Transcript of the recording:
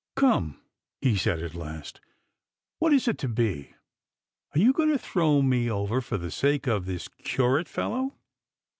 "Come," he said at last, "what is it to be? Are you going to throw me over for the sake of this curate fellow?